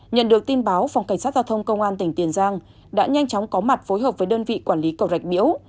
nhận được tin báo phòng cảnh sát giao thông công an tỉnh tiền giang đã nhanh chóng có mặt phối hợp với đơn vị quản lý cầu rạch biễu